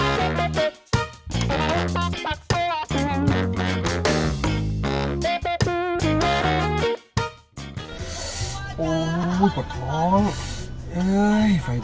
โอ้มันกลัวมากโอ้มันกลัวมาก